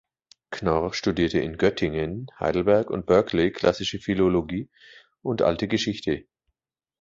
Knorr studierte in Göttingen, Heidelberg und Berkeley Klassische Philologie und Alte Geschichte.